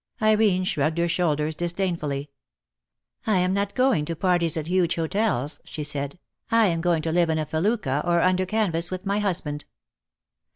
Irene shrugged her shoulders disdainfully. "I am not going to parties at huge hotels," she said. "I am going to live in a felucca or under canvas with my husband."